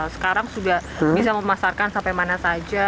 sekarang sudah bisa memasarkan sampai mana saja